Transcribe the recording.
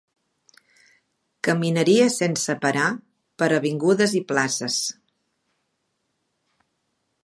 Caminaria sense parar, per avingudes i places